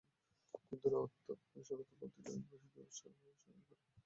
হিন্দুরা অর্থাৎ সনাতন-পন্থী হিন্দুরা অবশ্য ইহা স্বীকার করিবে না।